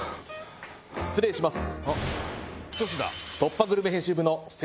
失礼します。